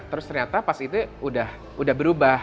tapi saat itu sudah berubah